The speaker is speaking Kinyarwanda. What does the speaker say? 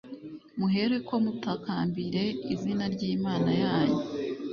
Muhereko mutakambire izina ry’imana yanyu